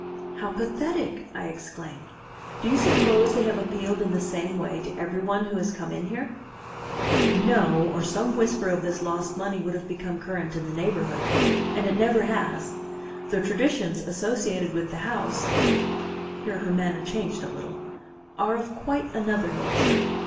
"How pathetic!" I exclaimed. "Do you suppose they have appealed in the same way to every one who has come in here?" "No, or some whisper of this lost money would have become current in the neighborhood. And it never has. The traditions associated with the house," here her manner changed a little, "are of quite another nature.